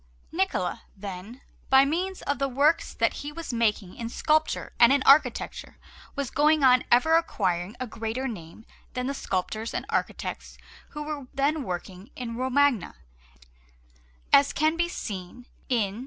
Niccola, then, by means of the works that he was making in sculpture and in architecture, was going on ever acquiring a greater name than the sculptors and architects who were then working in Romagna, as can be seen in S.